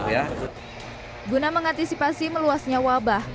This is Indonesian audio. kemudian kita akan mulai sampai di bulan juni sekarang ya guna mengantisipasi meluasnya wabah